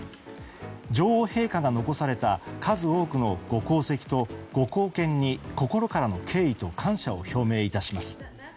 女王陛下が残された数多くのご功績とご貢献に心からの敬意と感謝を表明いたします。